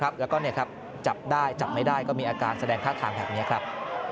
แล้วก็จับได้จับไม่ได้ก็มีอาการแสดงท่าทางแบบนี้ครับ